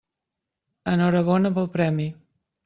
Enhorabona pel premi.